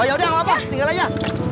oh yaudah gak apa apa tinggal aja